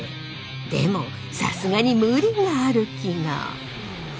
でもさすがに無理がある気が。